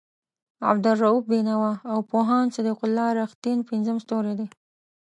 عبالرؤف بېنوا او پوهاند صدیق الله رښتین پنځم ستوری دی.